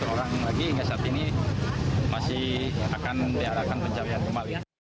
delapan orang lagi hingga saat ini masih akan diarahkan pencarian kembali